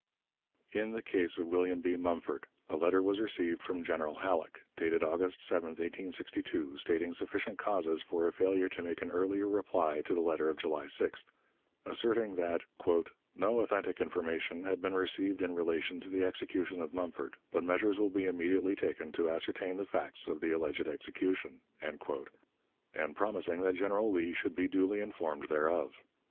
In the case of William B. Mumford, a letter was received from General Halleck, dated August 7, 1862, stating sufficient causes for a failure to make an earlier reply to the letter of July 6th; asserting that "no authentic information had been received in relation to the execution of Mumford, but measures will be immediately taken to ascertain the facts of the alleged execution," and promising that General Lee should be duly informed thereof.